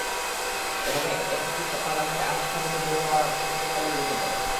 এভাবে একেপি পার্লামেন্টে আস্থা ভোটে জয়ী হওয়ার চেষ্টা চালিয়ে যেতে পারে।